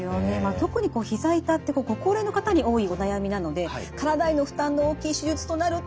特にひざ痛ってご高齢の方に多いお悩みなので体への負担の大きい手術となると結構勇気が必要になりますよね。